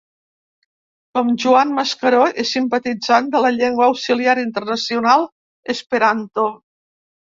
Com Joan Mascaró, és simpatitzant de la llengua auxiliar internacional esperanto.